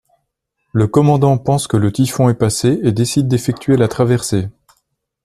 Le commandant pense que le typhon est passé et décide d'effectuer la traversée.